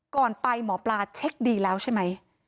ก่อนไปหมอปลาเช็คดีแล้วใช่ไหม